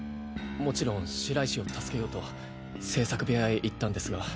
もちろん白石を助けようと制作部屋へ行ったんですが。